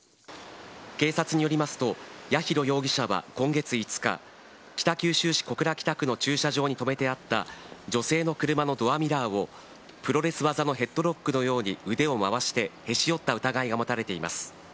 警察によりますと、八尋容疑者は今月５日、北九州市小倉北区の駐車場にとめてあった女性の車のドアミラーをプロレス技のヘッドロックのように腕を回して、へし折った疑いが持たれています。